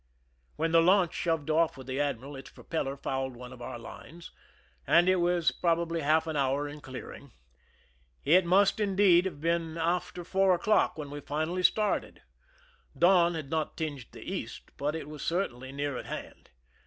"When the laimch shoved off with the admiral, its propeller fouled one of our lines, and it was probably half an hour in clearing. It must, in deed, have b(5en after four o'clock when we finally started. Dawn had not tinged the east, but it was certainly nea,r at hand.